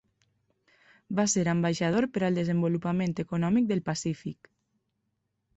Va ser ambaixador per al desenvolupament econòmic del Pacífic.